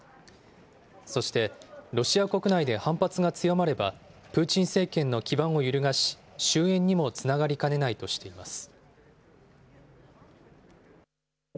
そして、ロシア国内で反発が強まれば、プーチン政権の基盤を揺るがし、終えんにもつながりかねないとしています。